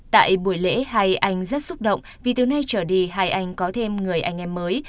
tại buổi lễ hai anh rất xúc động vì từ nay trở đi hai anh có thêm người anh em mới